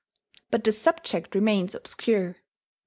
But the subject remains obscure.